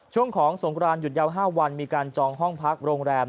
ช่วงของสงครานหยุดยาว๕วันมีการจองห้องพักโรงแรม